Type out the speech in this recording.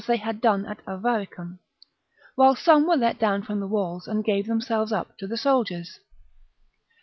they had done at Avaricum ; while some were let down from the walls and gave themselves up to the soldiers.